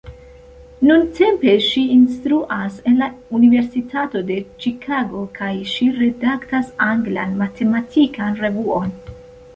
Nuntempe ŝi instruas en la Universitato de Ĉikago kaj ŝi redaktas anglan matematikan revuon.